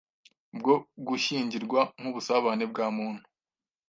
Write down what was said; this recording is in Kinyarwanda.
bwo gushyingirwa nk'ubusabane bwa muntu